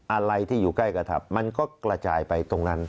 อะไรที่อยู่ใกล้กระทับมันก็กระจายไปตรงนั้น